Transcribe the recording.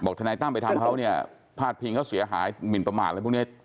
ทนายตั้มไปทำเขาเนี่ยพาดพิงเขาเสียหายหมินประมาทอะไรพวกนี้